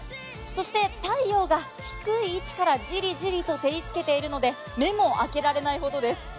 そして太陽が低い位置からじりじりと照りつけているので目も開けられないほどです。